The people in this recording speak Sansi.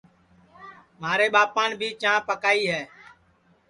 مھارے ٻاپان بھی چاں پکوائی ہے